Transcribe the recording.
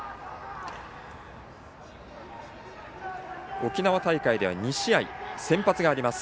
沖縄大会では２試合先発があります。